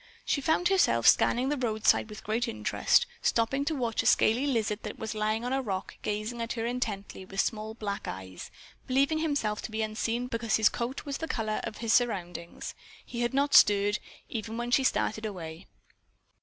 She found herself scanning the roadside with great interest, stopping to watch a scaly lizard that was lying on a rock gazing at her intently with small black eyes, believing himself to be unseen because his coat was the color of his surroundings. He had not stirred, even when she started away.